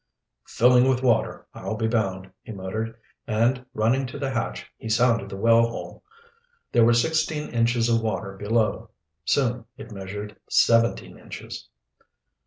"Filling with water, I'll be bound," he muttered, and running to the hatch he sounded the well hole. There were sixteen inches of water below. Soon it measured seventeen inches.